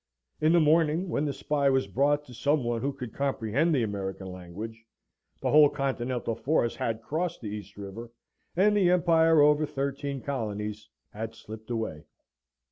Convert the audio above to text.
In the morning, when the spy was brought to some one who could comprehend the American language, the whole Continental force had crossed the East River, and the empire over thirteen colonies had slipped away.